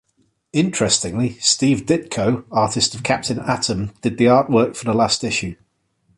Interestingly, Steve Ditko, artist of Captain Atom, did the artwork for the last issue.